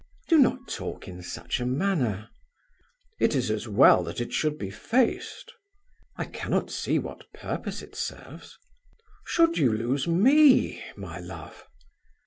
"Do not talk in such a manner." "It is as well that it should be faced." "I cannot see what purpose it serves." "Should you lose me, my love!"